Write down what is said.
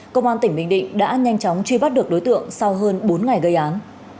công an tỉnh bình định đã nhanh chóng truy bắt được đối tượng sau hơn bốn ngày gây án